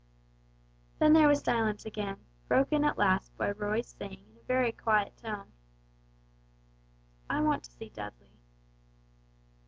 Then there was silence again, broken at last by Roy's saying in a very quiet tone, "I want to see Dudley."